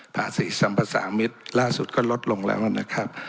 ภาษีสัมภาษามิตรล่าสุดก็ลดลงแล้วนะครับ